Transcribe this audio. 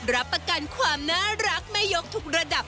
รับประกันความน่ารักแม่ยกทุกระดับ